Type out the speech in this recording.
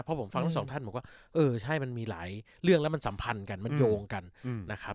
เพราะผมฟังทั้งสองท่านบอกว่าเออใช่มันมีหลายเรื่องแล้วมันสัมพันธ์กันมันโยงกันนะครับ